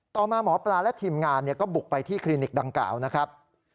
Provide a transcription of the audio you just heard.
ต่อมาหมอปลาและทีมงานก็บุกไปที่คลินิกดังกล่าวนะครับ